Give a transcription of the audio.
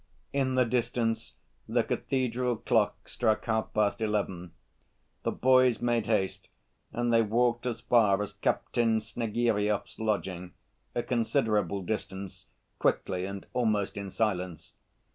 In the distance the cathedral clock struck half‐past eleven. The boys made haste and they walked as far as Captain Snegiryov's lodging, a considerable distance, quickly and almost in silence.